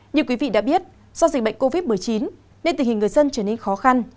như quý vị đã biết do dịch bệnh covid một mươi chín nên tình hình người dân trở nên khó khăn